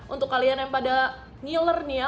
untuk kalian yang pada ngiler nih ya